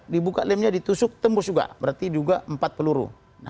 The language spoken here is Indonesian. dibuka lemnya ditusuk tembus juga berarti juga empat peluru